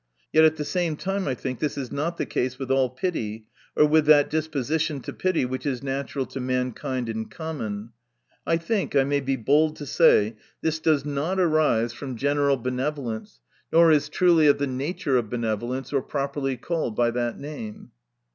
Yet at the same time I think, this is not the case with all pity, or with that disposition to pity which is natural to mankind in common. I think I may be bold to say, this does no arise from general benevolence, nor is it truly of the nature of benevolence, Oi properly called by that name.